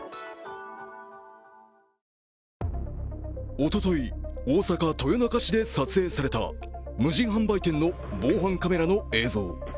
おととい、大阪・豊中市で撮影された無人販売店の防犯カメラの映像。